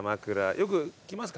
よく来ますか？